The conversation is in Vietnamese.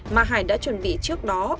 mà hải đã chuẩn bị trước đó đặt vào